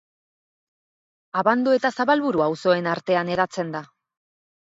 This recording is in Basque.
Abando eta Zabalburu auzoen artean hedatzen da.